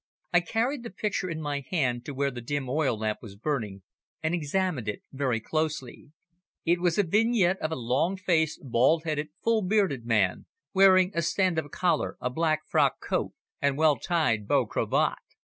I carried the picture in my hand to where the dim oil lamp was burning, and examined it very closely. It was a vignette of a long faced, bald headed, full bearded man, wearing a stand up collar, a black frock coat and well tied bow cravat.